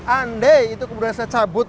andai itu kemudian saya cabut